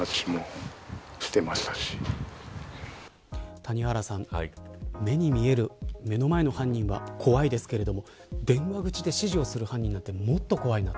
谷原さん、目に見える目の前の犯人は怖いですけれども電話口で指示をする犯人はもっと怖いなと。